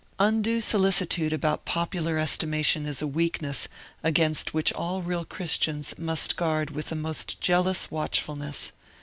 Undue solicitude about popular estimation is a weakness against which all real Christians must guard with the utmost jealous watchfulness.